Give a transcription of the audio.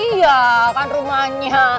iya kan rumahnya